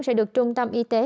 sẽ được trung tâm y tế